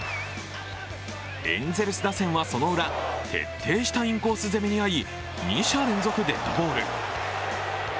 エンゼルス打線はそのウラ、徹底したインコース攻めに遭い、二者連続デッドボール。